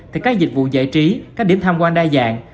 thì các dịch vụ giải trí các điểm tham quan đa dạng